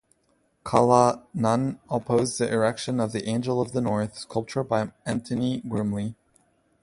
Callanan opposed the erection of the "Angel of the North" sculpture by Antony Gormley.